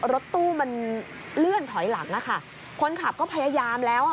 รถตู้มันเลื่อนถอยหลังอ่ะค่ะคนขับก็พยายามแล้วอ่ะ